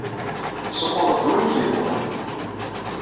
Tessuqquled-d win ay ak-yehwan.